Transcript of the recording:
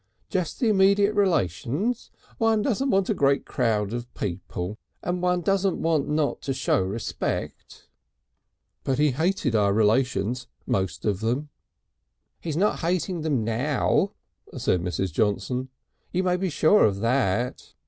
Just the immediate relations; one doesn't want a great crowd of people and one doesn't want not to show respect." "But he hated our relations most of them." "He's not hating them now," said Mrs. Johnson, "you may be sure of that.